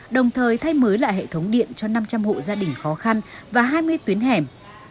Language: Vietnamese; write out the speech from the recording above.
đồng thời thay mới lại hệ thống điện cho năm trăm linh hộ gia đình khó khăn và hai mươi tuyến hẻm